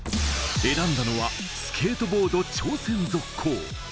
選んだのは、スケートボード挑戦続行。